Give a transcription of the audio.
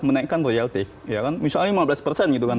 menaikkan royalti misalnya lima belas persen